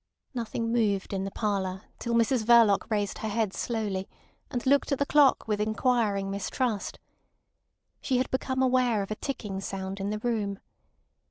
Nothing moved in the parlour till Mrs Verloc raised her head slowly and looked at the clock with inquiring mistrust. She had become aware of a ticking sound in the room.